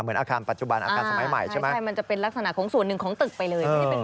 เหมือนอาคารปัจจุบันอาคารสมัยใหม่ใช่ไหมใช่มันจะเป็นลักษณะของส่วนหนึ่งของตึกไปเลยไม่ได้เป็น